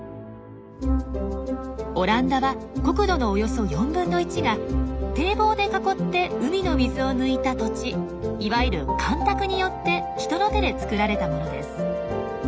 オランダは国土のおよそ４分の１が堤防で囲って海の水を抜いた土地いわゆる干拓によって人の手で作られたものです。